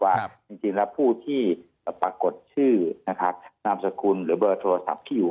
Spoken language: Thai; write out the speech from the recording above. ว่าจริงแล้วผู้ที่ปรากฏชื่อนะครับนามสกุลหรือเบอร์โทรศัพท์ที่อยู่